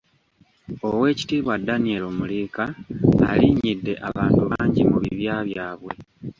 Ow’ekitiibwa Daniel Muliika alinnyidde abantu bangi mu bibya byabwe.